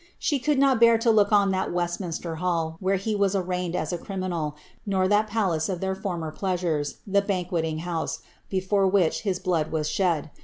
She could not bear to look on that Westminster Hall where he was arraigned as a criminal, nor that palace of their former pleasures, the Banqueting House, before which his blood was shed.